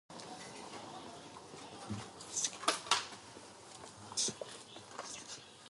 Paper mills can be fully integrated mills or nonintegrated mills.